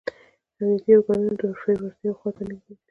امنیتي ارګانونه د حرفوي وړتیاو خواته نه نږدې کوي.